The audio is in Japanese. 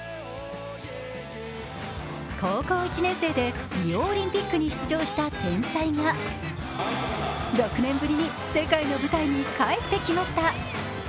高校１年生でリオオリンピックに出場した天才が６年ぶりに世界の舞台に帰ってきました。